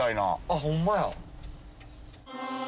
あっホンマや。